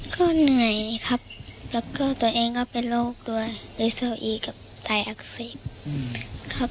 ก็เหนื่อยครับแล้วก็ตัวเองก็เป็นโรคด้วยเรโซอีกับไตอักเสบครับ